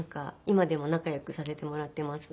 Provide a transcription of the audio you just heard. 今でも仲良くさせてもらっています。